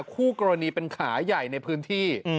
คู่กรณีเป็นขาใหญ่ในพื้นที่